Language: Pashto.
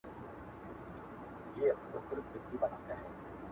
سوال دادی چي صبر جميل کوم کيفيت ته ويل کيږي؟